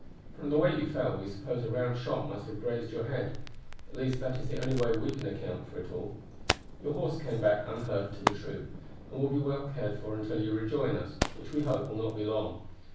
From the way you fell we suppose a round shot must have grazed your head; at least that is the only way we can account for it. "Your horse came back unhurt to the troop, and will be well cared for until you rejoin us, which we hope will not be long.